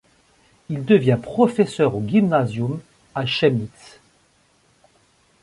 Il devient professeur au Gymnasium à Chemnitz.